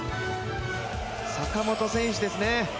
坂本選手ですね。